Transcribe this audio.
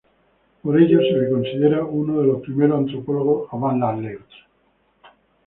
Por ello se le considera uno de los primeros antropólogos "avant-la-lettre".